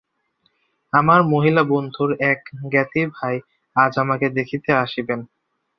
আমার মহিলাবন্ধুর এক জ্ঞাতিভাই আজ আমাকে দেখিতে আসিবেন।